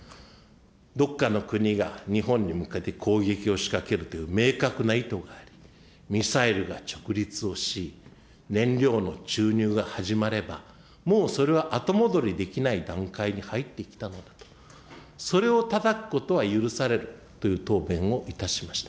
どこかの国が日本に向けて攻撃を仕掛けるという明確な意図があり、ミサイルが直立をし、燃料の注入が始まれば、もうそれは後戻りできない段階に入ってきたのだと、それをたたくことは許されるという答弁をいたしました。